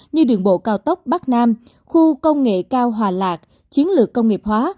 như đường bộ cao tốc bắc nam khu công nghệ cao hòa lạc chiến lược công nghiệp hóa